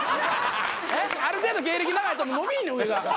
ある程度芸歴長いと伸びひんねん上が。